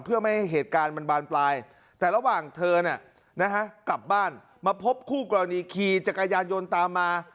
เพื่อไม่ให้เหตุการณ์มันบานปลายแต่ระหว่างเธอกลับบ้านมาพบคู่กรณีขี่จักรยานยนต์ตามมา